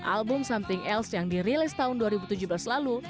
album something els yang dirilis tahun dua ribu tujuh belas lalu